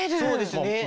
そうですね。